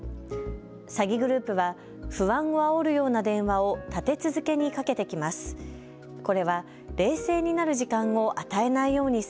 詐欺グループは不安をあおるような電話を立て続けにかけてきます。